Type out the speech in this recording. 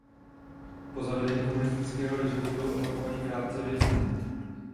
Po zavedení komunistického režimu byl opakovaně krátce vězněn.